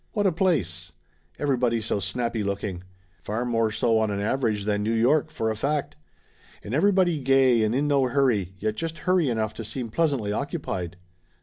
What a place ! Everybody so snappy looking. Far more so on an average than New York, for a fact. And everybody gay and in no hurry, yet just hurry enough to seem pleasantly occupied.